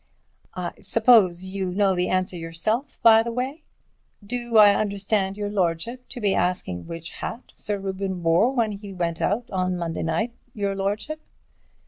I suppose you know the answer yourself, by the way." "Do I understand your lordship to be asking which hat Sir Reuben wore when he went out on Monday night, your lordship?"